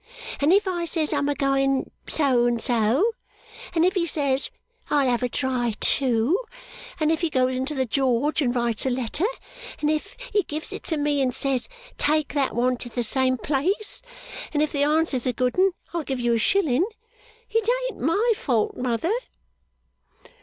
and if I says, "I'm a going So and So," and if he says, "I'll have a Try too," and if he goes into the George and writes a letter and if he gives it me and says, "Take that one to the same place, and if the answer's a good 'un I'll give you a shilling," it ain't my fault, mother!